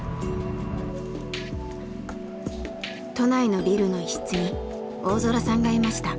都内のビルの一室に大空さんがいました。